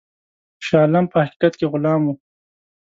شاه عالم په حقیقت کې غلام وو.